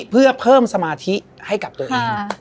เพื่อเพิ่มสมาธิให้กับตัวเอง